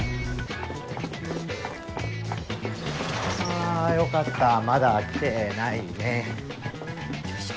あよかったまだ来てないね。